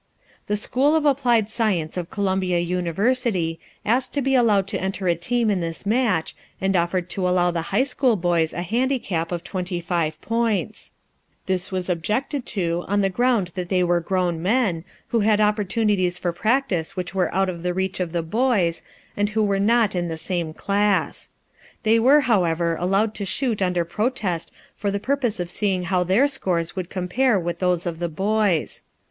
The School of Applied Science of Columbia University asked to be allowed to enter a team in this match, and offered to allow the high school boys a handicap of 25 points. This was objected to on the ground that they were grown men, who had opportunities for practice which were out of the reach of the boys, and who were not in the same class. They were, however, allowed to shoot under protest for the purpose of seeing how their scores would compare with those of the boys.